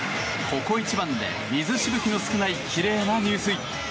ここ一番で水しぶきの少ない奇麗な入水。